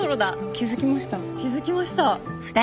気付きました。